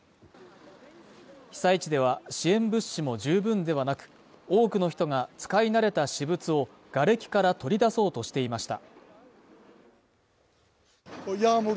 被災地では、支援物資も十分ではなく、多くの人が使い慣れた私物をがれきから取り出そうとしていました。